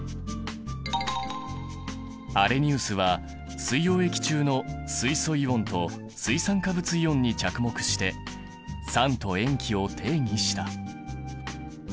アレニウスは水溶液中の水素イオンと水酸化物イオンに着目して酸と塩基を定義した。